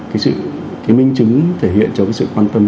cái minh chứng thể hiện cho sự quan tâm